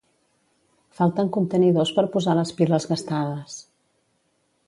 Falten contenidors per posar les piles gastades